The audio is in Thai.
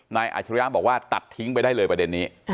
อาชริยะบอกว่าตัดทิ้งไปได้เลยประเด็นนี้